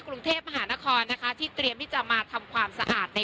กรุงเทพมหานครนะคะที่เตรียมที่จะมาทำความสะอาดใน